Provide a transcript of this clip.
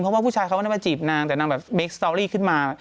เพราะว่าผู้ชายเขาไม่ได้มาจีบนางแต่นางแบบเบคสตอรี่ขึ้นมา